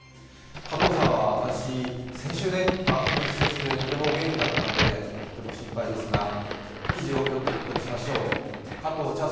加藤さんは私、先週番組一緒して元気だったのでとても心配でしたが記事を読んでいくことにしましょう。